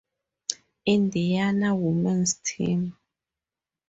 Indiana women's team.